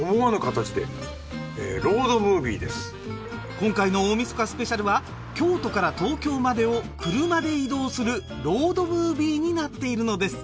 今回の大晦日スペシャルは京都から東京までを車で移動する「ロードムービー」になっているのです。